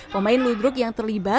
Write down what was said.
pemain ludruk yang terlibat